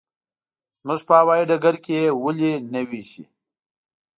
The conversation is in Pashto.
زموږ په هوايي ډګر کې یې ولې نه وېشي.